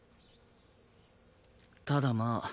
ただまあ